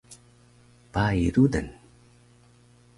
Pai rudan